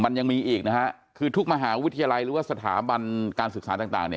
มันยังมีอีกนะฮะคือทุกมหาวิทยาลัยหรือว่าสถาบันการศึกษาต่างเนี่ย